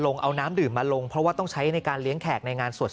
เอาน้ำดื่มมาลงเพราะว่าต้องใช้ในการเลี้ยงแขกในงานสวด